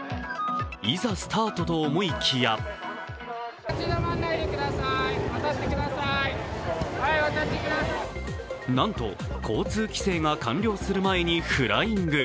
いざスタート！と思いきやなんと、交通規制が完了する前にフライング。